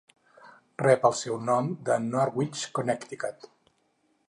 Rep el seu nom de Norwich, Connecticut.